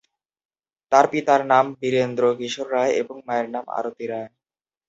তার পিতার নাম বীরেন্দ্র কিশোর রায় এবং মায়ের নাম আরতি রায়।